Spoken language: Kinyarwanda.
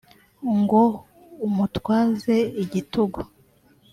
lw ngo umutwaze igitugu